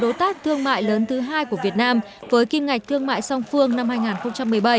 đối tác thương mại lớn thứ hai của việt nam với kim ngạch thương mại song phương năm hai nghìn một mươi bảy